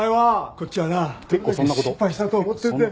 こっちはなどれだけ心配したと思ってんだよ。